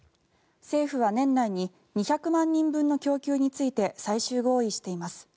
政府は年内に２００万人分の供給について最終合意しています。